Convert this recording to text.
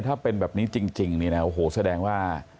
ถ้าเป็นแบบนี้จริงเนี่ยนะโอ้โหแสดงว่า